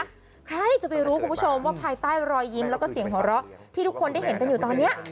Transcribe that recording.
ใครจะไปรู้คุณผู้ชมว่าภายใต้รอยยิ้มแล้วก็เสียงหัวเราะที่ทุกคนได้เห็นกันอยู่ตอนนี้